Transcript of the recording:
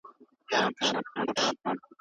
ډګر څېړنه د حقایقو مخامخ لیدل دي.